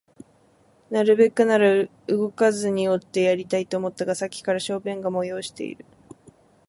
なるべくなら動かずにおってやりたいと思ったが、さっきから小便が催している